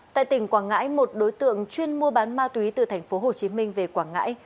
tại tỉnh quảng ngãi một đối tượng chuyên mua bán ma túy từ tp hcm về quảng ngãi